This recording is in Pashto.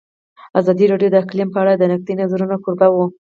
ازادي راډیو د اقلیم په اړه د نقدي نظرونو کوربه وه.